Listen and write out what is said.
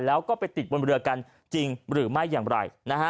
แล้วก็ไปติดบนเรือกันจริงหรือไม่อย่างไร